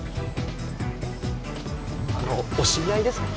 あのお知り合いですか？